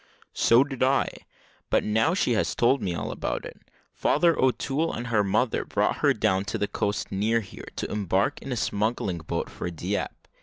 "So did I; but now she has told me all about it. Father O'Toole and her mother brought her down to the coast near here, to embark in a smuggling boat for Dieppe.